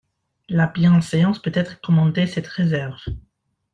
La bienséance, peut-être, commandait cette réserve.